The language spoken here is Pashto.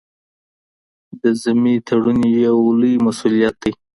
د ذمې تړون یو لوی مسوولیت دی.